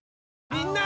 みんな！